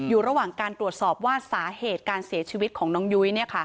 อยู่ระหว่างการตรวจสอบว่าสาเหตุการเสียชีวิตของน้องยุ้ย